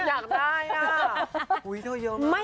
เยอะเยอะมาก